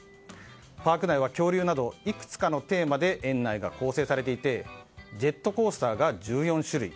パーク内は恐竜などいくつかのテーマで園内が構成されていてジェットコースターが１４種類。